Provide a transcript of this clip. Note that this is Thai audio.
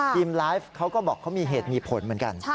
ไลฟ์เขาก็บอกเขามีเหตุมีผลเหมือนกัน